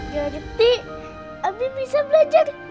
jadi abi bisa belajar